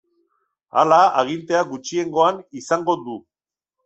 Hala, agintea gutxiengoan izango du.